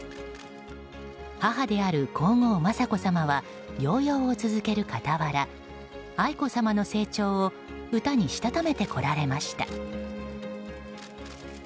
母である皇后・雅子さまは療養を続ける傍ら愛子さまの成長を歌にしたためてこられました。